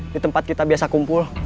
di tempat kita biasa kumpul